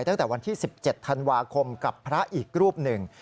ตั้งแต่วันที่๑๗ธันวาคมกับพระอีกรูปหนึ่ง